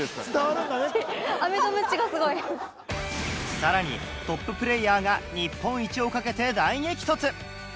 更にトッププレイヤーが日本一を懸けて大激突！